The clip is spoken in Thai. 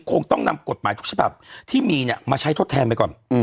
คงต้องนำกฎหมายทุกฉบับที่มีเนี่ยมาใช้ทดแทนไปก่อน